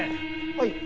はい。